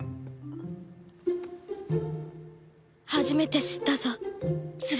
初めて知ったぞ翼